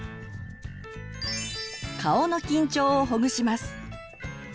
顔の緊張をほぐします。